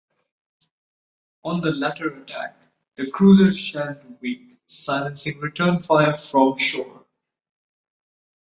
On the latter attack, the cruisers shelled Wake, silencing return fire from shore.